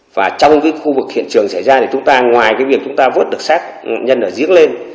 và trong cái khu vực hiện trường xảy ra thì chúng ta ngoài cái việc chúng ta vốt được xác nhân ở giếng lên